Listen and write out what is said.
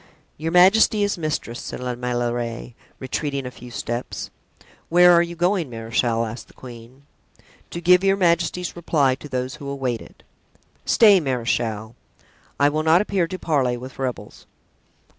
"Your majesty is mistress," said La Meilleraie, retreating a few steps. "Where are you going, marechal?" asked the queen. "To give your majesty's reply to those who await it." "Stay, marechal; I will not appear to parley with rebels."